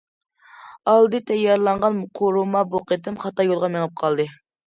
ئالدىن تەييارلانغان قورۇما بۇ قېتىم خاتا يولغا مېڭىپ قالدى.